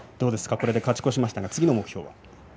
これで勝ち越しましたが、次の目標は。